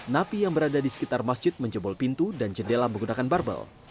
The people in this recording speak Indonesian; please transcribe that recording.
napi yang berada di sekitar masjid menjebol pintu dan jendela menggunakan barbel